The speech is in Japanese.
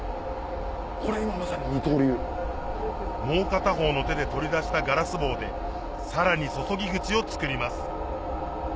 もう片方の手で取り出したガラス棒でさらに注ぎ口を作ります